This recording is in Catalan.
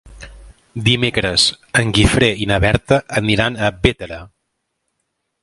Dimecres en Guifré i na Berta aniran a Bétera.